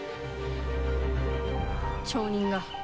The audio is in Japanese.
町人が。